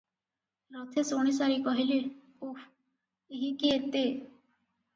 ରଥେ ଶୁଣିସାରି କହିଲେ, "ଓଃ ଏହିଁକି ଏତେ?